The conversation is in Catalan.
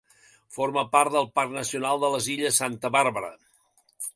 Forma part del Parc Nacional de les illes Santa Bàrbara.